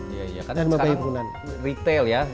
iya iya kan sekarang retail ya